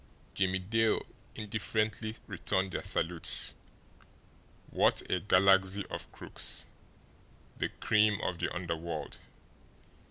Jimmie Dale indifferently returned their salutes. What a galaxy of crooks the cream of the underworld!